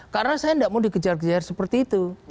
karena saya gak mau dikejar kejar seperti itu